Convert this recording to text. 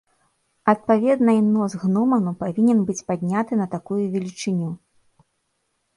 Адпаведна і нос гноману павінен быць падняты на такую велічыню.